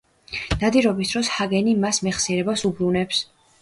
ნადირობის დროს ჰაგენი მას მეხსიერებას უბრუნებს.